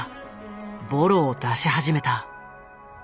ボロを出し始めた。